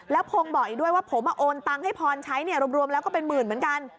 แล้วพงศ์บอกอีกด้วยว่าผมโอนตังให้พรใช้รวมแล้วก็เป็นหมื่นเหมือนกัน